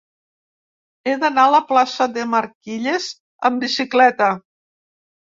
He d'anar a la plaça de Marquilles amb bicicleta.